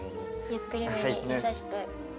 ゆっくりめに優しく。